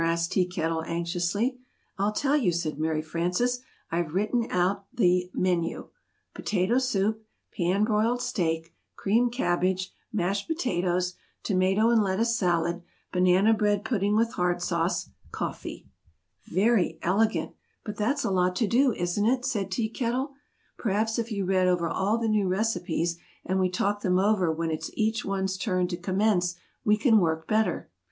asked Tea Kettle, anxiously. [Illustration: Slipped them into the oven.] "I'll tell you," said Mary Frances, "I've written out the MENU Potato Soup Pan broiled Steak Creamed Cabbage Mashed Potatoes Tomato and Lettuce Salad Banana Bread Pudding with Hard Sauce Coffee [Illustration: "Very elegant!"] "Very elegant! but that's a lot to do, isn't it?" said Tea Kettle. "Perhaps, if you read over all the new recipes, and we talk them over when its each one's turn to commence, we can work better."